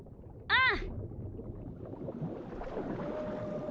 ああ！